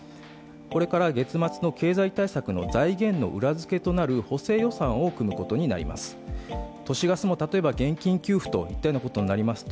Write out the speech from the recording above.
これから月末の経済対策の財源の裏付けとなる補正予算を組むことになります。